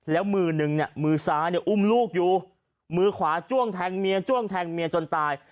แล้วมือนึงเนี่ยมือซ้ายเนี่ยอุ้มลูกอยู่มือขวาจ้วงแทงเมียจ้วงแทงเมียจนตาย